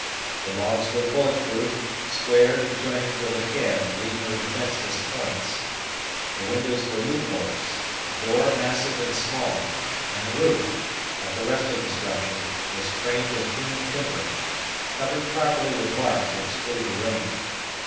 The logs were bullet proof, squared and jointed with a care to leave no defenceless points; the windows were loopholes, the door massive and small, and the roof, like the rest of the structure, was framed of hewn timber, covered properly with bark to exclude the rain.